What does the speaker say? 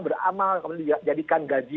beramal kemudian dijadikan gaji